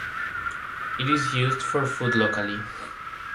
It is used for food locally.